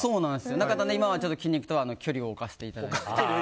だから今は筋肉とは距離を置かせていただいて。